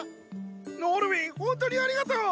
ノルウィンホントにありがとう！